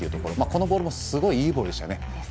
このボールもすごい、いいボールでした。